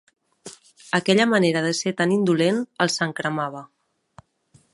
Aquella manera de ser tan indolent el sangcremava.